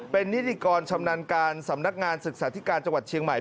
เป็นนิติกรชำนาญการสำนักงานศึกษาธิการจังหวัดเชียงใหม่